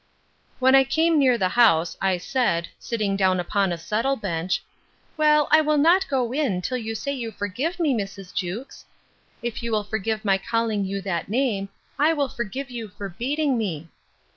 When I came near the house, I said, sitting down upon a settle bench, Well, I will not go in, till you say you forgive me, Mrs. Jewkes.—If you will forgive my calling you that name, I will forgive your beating me.